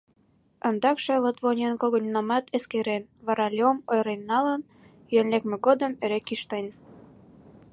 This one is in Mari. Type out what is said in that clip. Ондакше Лотвонен когыньнамат эскерен, вара Леом ойырен налын, йӧн лекме годым эре кӱштен.